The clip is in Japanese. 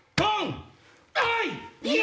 はい！